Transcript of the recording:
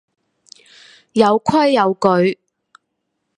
有規有矩